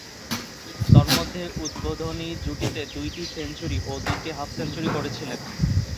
তন্মধ্যে, উদ্বোধনী জুটিতে দুইটি সেঞ্চুরি ও তিনটি হাফ-সেঞ্চুরি করেছিলেন।